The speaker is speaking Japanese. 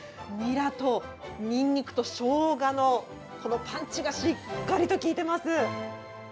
にらと、にんにくと、しょうがのこのパンチがしっかりときいてます！